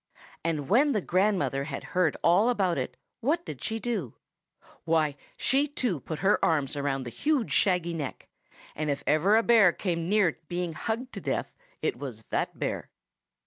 And when the grandmother had heard all about it, what did she do? Why, she too put her arms round the huge shaggy neck; and if ever a bear came near being hugged to death, it was that bear.